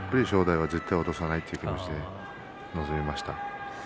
絶対に正代は落とせないという気持ちで臨みました。